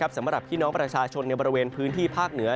สำหรับพี่น้องประชาชนในบริเวณพื้นที่ภาคเหนือ